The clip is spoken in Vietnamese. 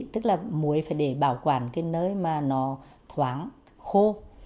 tức là muối phải để bảo quản cái nơi mà nó thoáng khô